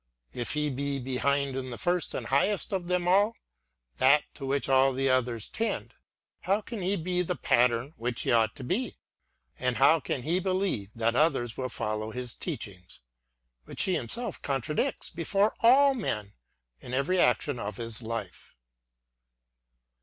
If he be behind in the first and highest of them all, that to which all the others tend, — how can he be the pattern which he ought to be, and how can he believe that others will follow his teachings, which he himself contradicts before all men in every action of his life